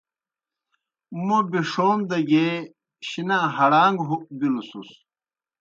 موْ بِݜوم دہ گیے شِنا ہڑاݩگ بِلوْسُس۔